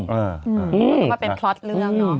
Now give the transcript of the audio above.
เราก็ว่าเป็นคลอทเรื่องเนอะ